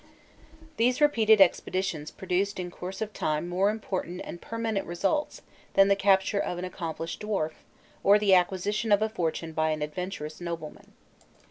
These repeated expeditions produced in course of time more important and permanent results than the capture of an accomplished dwarf, or the acquisition of a fortune by an adventurous nobleman.